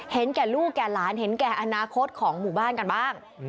แก่ลูกแก่หลานเห็นแก่อนาคตของหมู่บ้านกันบ้าง